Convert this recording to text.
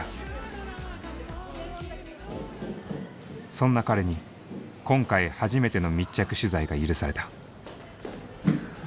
そんな彼に今回初めての密着取材が許された。